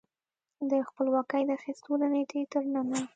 د خپلواکۍ د اخیستو له نېټې تر ننه